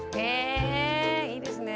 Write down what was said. へえいいですね。